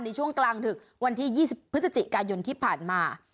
ในช่วงกลางดึกวันที่๒๐พฤศจิกายนที่ผ่านมา